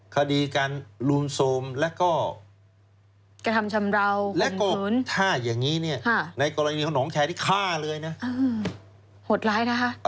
กระทำชำราวควดล้ายนะฮะ